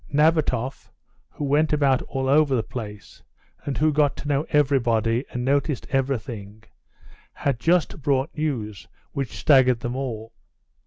Nabatoff, who went about all over the place, and who got to know everybody, and noticed everything, had just brought news which staggered them all.